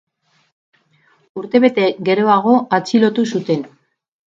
Urtebete geroago atxilotu zuten.